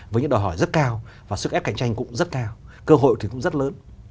với những đòi hỏi rất cao và sức ép cạnh tranh cũng rất cao cơ hội thì cũng rất lớn